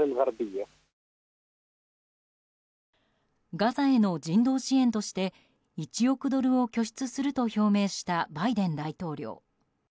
ガザへの人道支援として１億ドルを拠出すると表明したバイデン大統領。